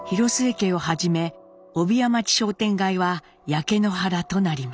家をはじめ帯屋町商店街は焼け野原となります。